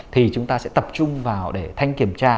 thì chúng ta sẽ tập trung vào để thanh kiểm tra